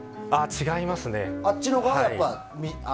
違いますね。